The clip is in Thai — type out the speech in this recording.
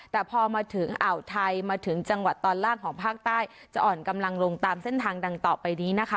แต่พอมาถึงอ่าวไทยมาถึงจังหวัดตอนล่างของภาคใต้จะอ่อนกำลังลงตามเส้นทางดังต่อไปนี้นะคะ